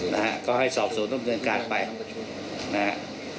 นะฮะก็ให้สอบสวนดำเนินการไปประชุมนะฮะ